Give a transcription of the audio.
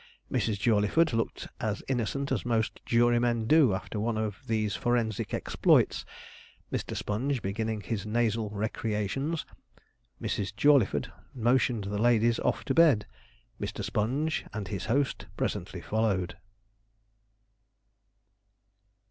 Mrs. Jawleyford looked as innocent as most jurymen do after one of these forensic exploits. Mr. Sponge beginning his nasal recreations, Mrs. Jawleyford motioned the ladies off to bed Mr. Sponge and his host presently followed.